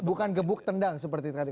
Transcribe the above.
bukan gebuk tendang seperti tadi